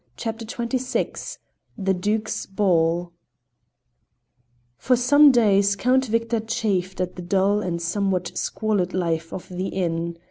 CHAPTER XXVI THE DUKE'S BALL For some days Count Victor chafed at the dull and somewhat squalid life of the inn.